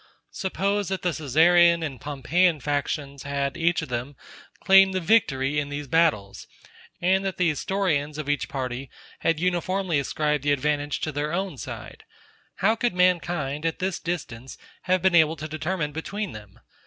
Suppose that the Caesarean and Pompeian factions had, each of them, claimed the victory in these battles, and that the historians of each party had uniformly ascribed the advantage to their own side; how could mankind, at this distance, have been able to determine between them?